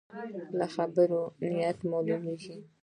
له خبرو نیت معلومېږي.